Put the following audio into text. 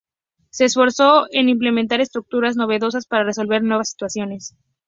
Se esforzó en implementar estructuras novedosas para resolver nuevas situaciones.